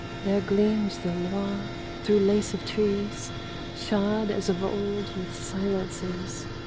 There gleams the Loire through lace of trees, Shod as of old with silences.